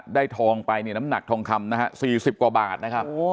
ทองไปเนี่ยน้ำหนักทองคำนะฮะ๔๐กว่าบาทนะครับ